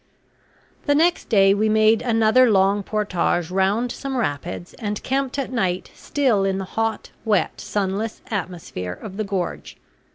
The next day we made another long portage round some rapids, and camped at night still in the hot, wet, sunless atmosphere of the gorge.